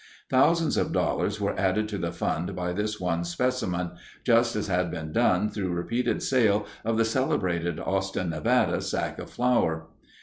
Thousands of dollars were added to the fund by this one specimen, just as had been done through repeated sale of the celebrated Austin (Nevada) sack of flour.